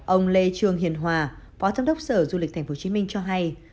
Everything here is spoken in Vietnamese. ông lê trường hiền hòa phó giám đốc sở du lịch tp hcm cho hay